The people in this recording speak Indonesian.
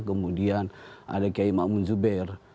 kemudian ada qiyai ma'mun zubair